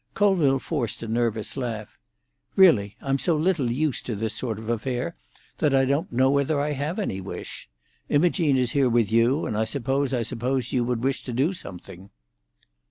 Colville forced a nervous laugh. "Really, I'm so little used to this sort of affair that I don't know whether I have any wish. Imogene is here with you, and I suppose I supposed you would wish to do something."